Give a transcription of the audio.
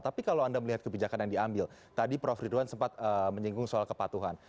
tapi kalau anda melihat kebijakan yang diambil tadi prof ridwan sempat menyinggung soal kepatuhan